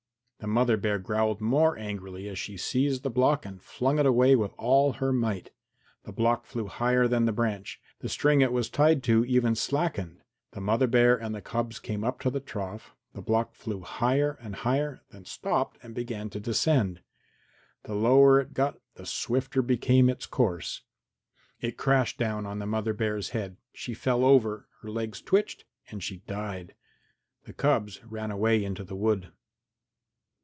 The mother bear growled more angrily as she seized the block and flung it away with all her might. The block flew higher than the branch, the string it was tied to even slackened; the mother bear and the cubs came up to the trough; the block flew higher and higher, then stopped and began to descend; the lower it got the swifter became its course. It crashed down on the mother bear's head. She fell over; her legs twitched and she died. The cubs ran away into the wood.